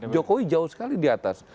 jokowi jauh sekali di atas